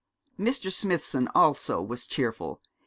Mr. Smithson also was cheerful.